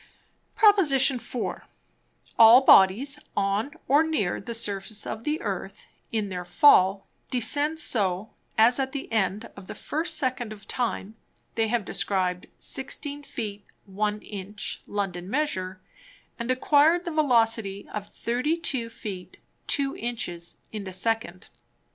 _ Prop. IV. All Bodies on or near the Surface of the Earth, in their Fall, descend so, as at the end of the first Second of Time, they have described 16 Feet, 1 Inch, London Measure, and acquired the Velocity of 32 Feet, 2 Inches, in a Second.